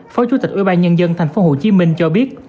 phó chủ tịch ủy ban nhân dân tp hcm cho biết